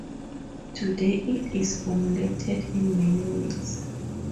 Today it is formulated in many ways.